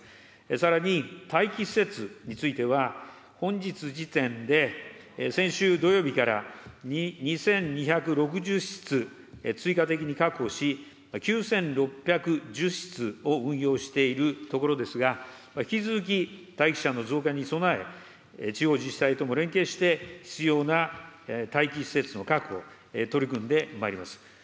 さらに待機施設については、本日時点で、先週土曜日から２２６０室追加的に確保し、９６１０室を運用しているところですが、引き続き待機者の増加に備え、地方自治体とも連携して、必要な待機施設の確保に取り組んでまいります。